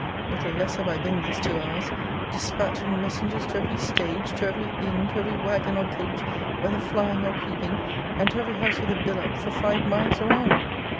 Little less have I been these two hours; dispatching messengers to every stage, to every inn, to every waggon or coach, whether flying or creeping, and to every house with a bill up, for five miles around.